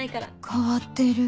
変わってる